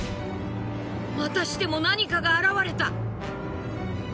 またしても何かが現れた。